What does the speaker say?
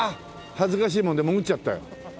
恥ずかしいもんで潜っちゃったよ。